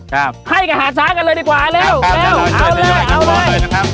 ครับให้กับหาช้างกันเลยดีกว่าเร็วเร็วเอาเลยเอาเลยนะครับ